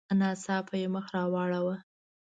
ناڅاپه یې مخ را واړاوه.